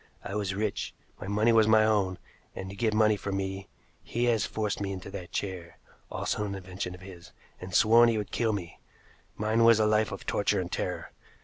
I was rich, my money was my own, and to get money from me he has forced me into that chair, also an invention of his, and sworn he would kill me. Mine was a life of torture and terror.